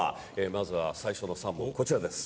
まずは最初の３本こちらです。